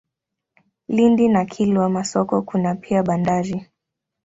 Lindi na Kilwa Masoko kuna pia bandari.